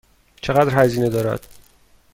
چقدر هزینه دارد؟